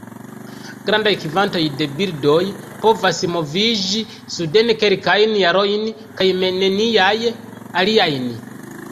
Grandaj kvantoj de birdoj povas moviĝi suden kelkajn jarojn; kaj neniaj aliajn.